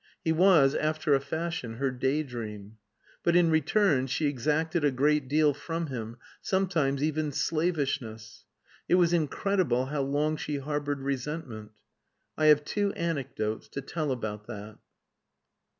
He was, after a fashion, her day dream.... But in return she exacted a great deal from him, sometimes even slavishness. It was incredible how long she harboured resentment. I have two anecdotes to tell about that.